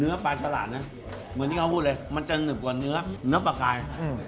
เนื้อปลาฉลาดนะเหมือนที่เขาพูดเลยมันจะหนึบกว่าเนื้อปลากาย